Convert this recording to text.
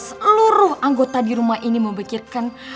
seluruh anggota di rumah ini memikirkan